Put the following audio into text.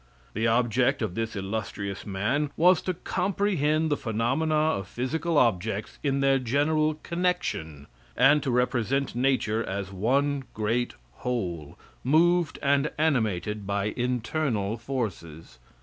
The object of this illustrious man was to comprehend the phenomena of physical objects in their general connection, and to represent nature as one great whole, moved and animated by internal forces.